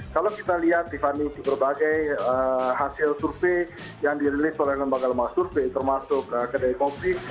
kalau kita lihat di fani berbagai hasil survei yang dirilis oleh lembaga lemah survei termasuk kedai kopi